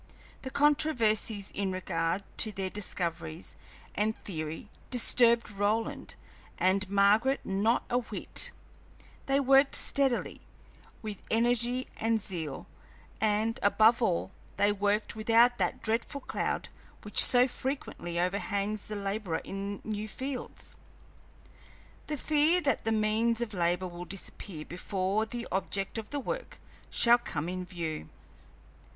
The controversies in regard to their discoveries and theory disturbed Roland and Margaret not a whit; they worked steadily, with energy and zeal, and, above all, they worked without that dreadful cloud which so frequently overhangs the laborer in new fields the fear that the means of labor will disappear before the object of the work shall come in view.